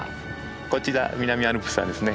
こちら南アルプスはですね